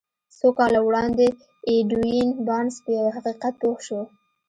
څو کاله وړاندې ايډوين بارنس په يوه حقيقت پوه شو.